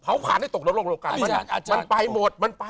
เผาผ่านให้ตกโลกกัน